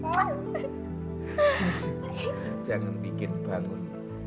mas jangan bikin bangun